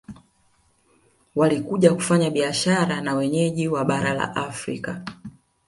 Walikuja kufanya biashara na wenyeji wa bara la Afrika